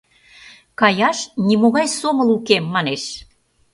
— Каяш нимогай сомыл уке, манеш.